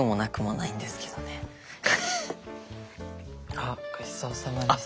あっごちそうさまでした。